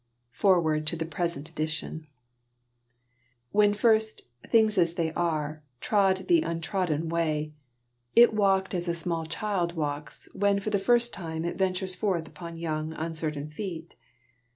FOREWORD TO THE PRESENT EDITION _WHEN first "Things as they are" trod the untrodden way, it walked as a small child walks when for the first time it ventures forth upon young, uncertain feet.